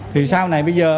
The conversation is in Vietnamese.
thì sau này bây giờ